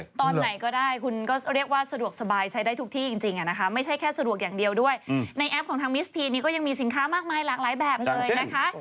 ตอนไหนก็ได้คุณก็เรียกว่าสะดวกสบายใช้ได้ทุกที่จริงนะคะไม่ใช่แค่สะดวกอย่างเดียวด้วยในแอปของทางมิสทีนนี้ก็ยังมีสินค้ามากมายหลากหลายแบบเลยนะคะ